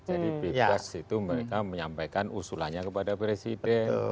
jadi bebas itu mereka menyampaikan usulannya kepada presiden